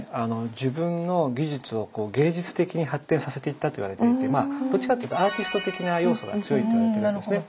自分の技術を芸術的に発展させていったといわれていてどっちかっていうとアーティスト的な要素が強いって言われてますね。